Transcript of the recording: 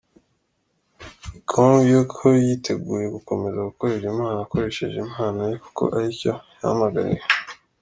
com ko yiteguye gukomeza gukorera Imana akoresheje impano ye kuko aricyo yahamagariwe.